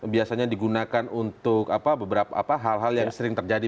biasanya digunakan untuk beberapa hal hal yang sering terjadi